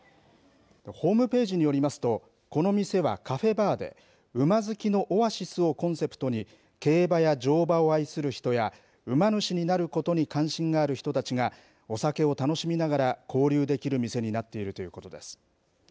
ホームページによりますと、この店はカフェバーで、馬好きのオアシスをコンセプトに、競馬や乗馬を愛する人や、馬主になることに関心がある人たちが、お酒を楽しみながら交流できる店になっているということです。